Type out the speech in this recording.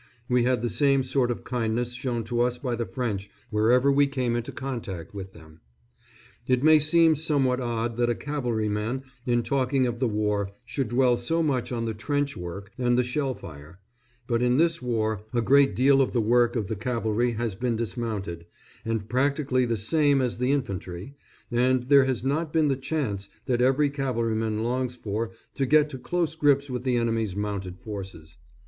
We had the same sort of kindness shown to us by the French wherever we came into contact with them. It may seem somewhat odd that a cavalryman in talking of the war should dwell so much on the trench work and the shell fire; but in this war a great deal of the work of the cavalry has been dismounted, and practically the same as the infantry, and there has not been the chance that every cavalryman longs for to get to close grips with the enemy's mounted forces.